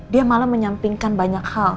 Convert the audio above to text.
dia malah menyampingkan banyak hal